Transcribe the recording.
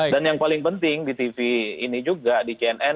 dan yang paling penting di tv ini juga di cnn